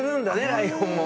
ライオンも。